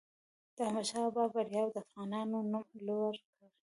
د احمدشاه بابا بریاوو د افغانانو نوم لوړ کړ.